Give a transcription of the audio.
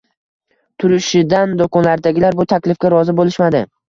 Turishidan, doʻkondagilar bu taklifga rozi boʻlishmadi